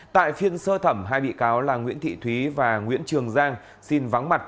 tại phiên sơ thẩm hai bị cáo là nguyễn thị thúy và nguyễn trường giang xin vắng mặt